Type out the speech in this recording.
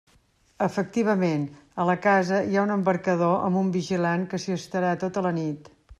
Efectivament, a la casa hi ha un embarcador amb un vigilant que s'hi estarà tota la nit.